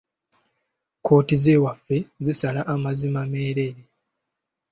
Kkooti z'ewaffe zisala mazima meereere.